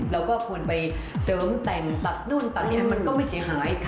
เราก็ควรไปเสริมแต่งตัดนู่นตัดนี่อะไรมันก็ไม่เสียหาย